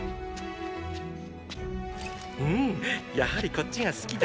うんやはりこっちが好きだな。